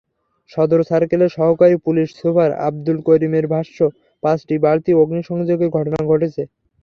সদর সার্কেলের সহকারী পুলিশ সুপার আবদুল করিমের ভাষ্য, পাঁচটি বাড়িতে অগ্নিসংযোগের ঘটনা ঘটেছে।